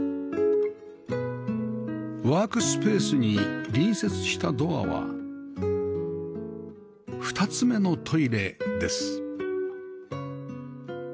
ワークスペースに隣接したドアは２つ目のトイレです